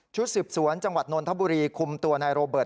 สืบสวนจังหวัดนนทบุรีคุมตัวนายโรเบิร์